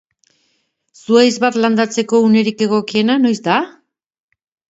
Zuhaitz bat landatzeko unerik egokiena noiz da?